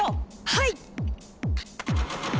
はい！